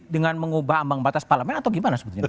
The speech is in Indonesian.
dengan mengubah ambang batas parlamen atau gimana